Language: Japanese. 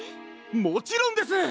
もちろんです！